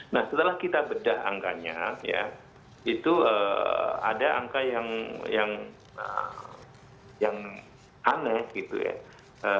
nah setelah kita bedah angkanya ya itu ada angka yang aneh gitu ya